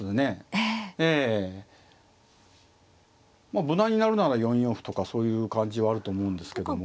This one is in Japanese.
まあ無難にやるなら４四歩とかそういう感じはあると思うんですけども。